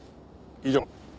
以上。